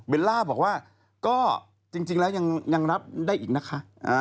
ล่าบอกว่าก็จริงแล้วยังรับได้อีกนะคะ